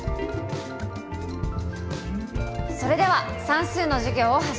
それでは算数の授業をはじめます！